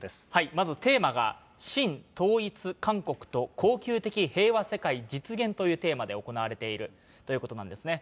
まずテーマが、神統一韓国と恒久的平和世界実現というテーマで行われているということなんですね。